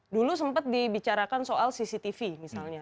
dulu sempat dibicarakan soal cctv misalnya